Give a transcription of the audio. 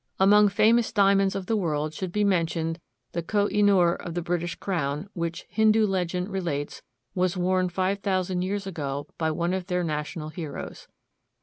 Among famous diamonds of the world should be mentioned the Koh i noor of the British crown, which, Hindu legend relates, was worn five thousand years ago by one of their national heroes.